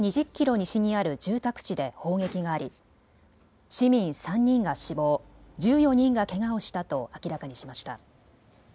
西にある住宅地で砲撃があり市民３人が死亡、１４人がけがをしたと明らかにしました。